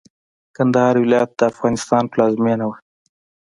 کندهار ولايت د افغانستان پلازمېنه وه.